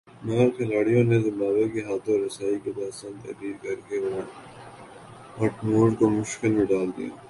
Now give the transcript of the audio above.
مگر کھلاڑیوں نے زمبابوے کے ہاتھوں رسائی کی داستان تحریر کر کے واٹمور کو مشکل میں ڈال دیا ہے